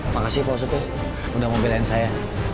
makasih pak ustaz udah mau pilih saya